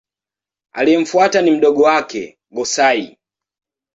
Aliyemfuata ni mdogo wake Go-Sai.